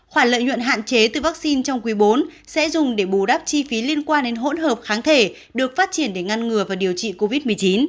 khoản lợi nhuận hạn chế từ vaccine trong quý bốn sẽ dùng để bù đắp chi phí liên quan đến hỗn hợp kháng thể được phát triển để ngăn ngừa và điều trị covid một mươi chín